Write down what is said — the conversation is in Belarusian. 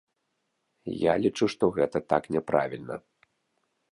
Я лічу, што гэта так няправільна!